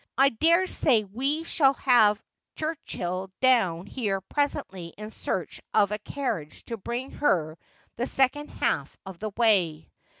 I dare say we shall have Turchill down here presently in search of a carriage to bring her the second half of the way.'